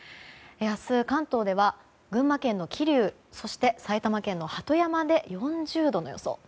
明日、関東では群馬県の桐生、埼玉県の鳩山で４０度の予想。